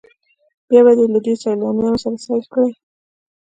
بیا به دې له سیالانو سره سیال کړي.